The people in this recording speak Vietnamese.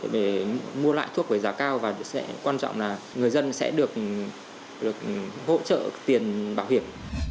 để mua lại thuốc với giá cao và quan trọng là người dân sẽ được hỗ trợ tiền bảo hiểm